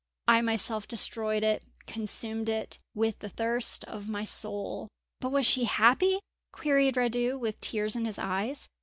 I myself destroyed it, consumed it, with the thirst of my soul!" "But was she happy?" queried Radu, with tears in his eyes.